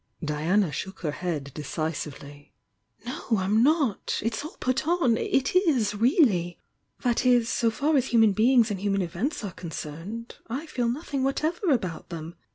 Diana shook her head decisively. "No, I'm not! It's all put on! It is, really! That is, so far as human beings and human events are concerned. I feel nothing whatever about them!